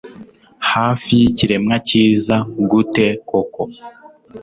Hafi yikiremwa cyiza gute koko